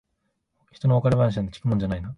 ひとの別れ話なんて聞くもんじゃないな。